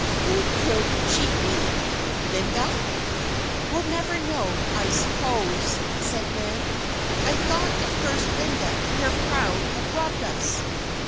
who could she be? Linda?" "We'll never know, I s'pose," said Nan. "I thought at first Linda and her crowd had robbed us."